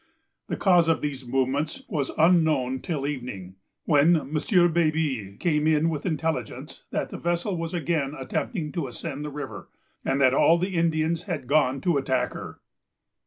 The cause of these movements was unknown till evening, when M. Baby came in with intelligence that the vessel was again attempting to ascend the river, and that all the Indians had gone to attack her.